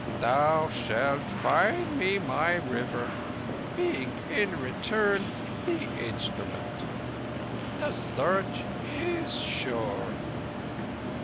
Thou shalt find me my River, being in return the instrument. The Search is sure!"